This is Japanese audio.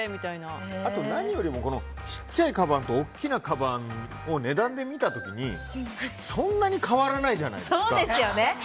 あと何よりも小さいかばんと大きいかばんを値段で見た時に、そんなに変わらないじゃないですか。